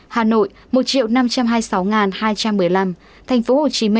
hà nội một năm trăm hai mươi sáu hai trăm một mươi năm tp hcm sáu trăm linh ba một trăm hai mươi tám